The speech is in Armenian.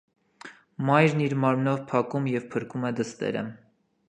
Մայրն իր մարմնով փակում և փրկում է դստերը։